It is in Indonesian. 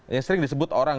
yang sering disebut orang